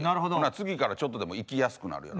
次からちょっとでも行きやすくなるやろ。